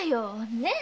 ねえ